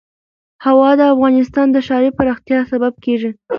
هوا د افغانستان د ښاري پراختیا سبب کېږي.